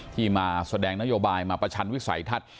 ที่มาแสดงนโยบายมาประชันวิสัยทัศน์